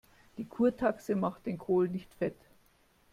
Die Kurtaxe macht den Kohl nicht fett.